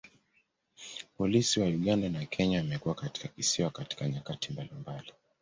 Polisi wa Uganda na Kenya wamekuwa katika kisiwa katika nyakati mbalimbali.